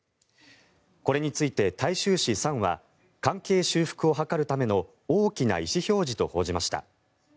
これについて、大衆紙サンは関係修復を図るための大きな意思表示と報じました。